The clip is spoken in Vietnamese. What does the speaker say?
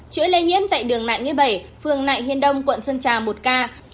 chuỗi lây nhiễm tại đường nại nghĩa bảy phường nại hiên đông quận sơn trà một ca